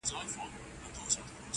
د زاهد به په خلوت کي اور په کور وي!